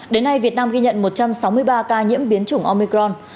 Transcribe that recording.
đến nay việt nam ghi nhận một trăm sáu mươi ba ca nhiễm biến chủng omicron